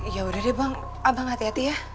ya udah deh bang abang hati hati ya